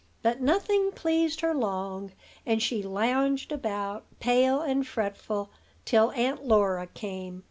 But nothing pleased her long; and she lounged about, pale and fretful, till Aunt Laura came.